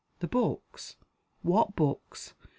The "books?" What "books?"